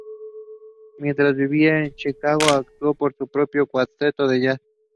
Mientras vivía en Chicago, actuó con su propio cuarteto de jazz.